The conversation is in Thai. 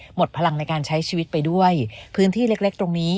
หมดพลังในการใช้ชีวิตไปด้วยพื้นที่เล็กเล็กตรงนี้